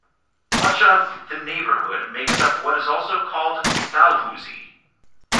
Much of the neighbourhood makes up what is also called Dalhousie.